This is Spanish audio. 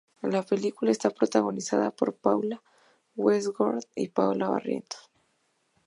La película está protagonizada por Paula Hertzog y Paola Barrientos.